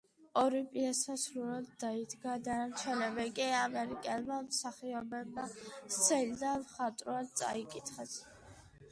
ორი პიესა სრულად დაიდგა, დანარჩენები კი ამერიკელმა მსახიობებმა სცენიდან მხატვრულად წაიკითხეს.